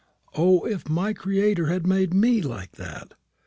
O, if my Creator had made me like that!